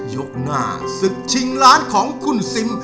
ยกหน้าศึกชิงล้านของคุณซิม